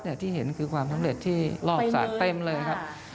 ที่เห็นคือความสำเร็จที่รอบศาลเต็มเลยครับ